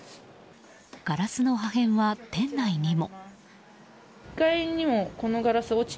ガラスの破片は店内にも。